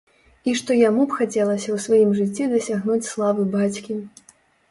І што яму б хацелася ў сваім жыцці дасягнуць славы бацькі.